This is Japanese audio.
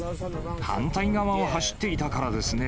反対側を走っていたからですね。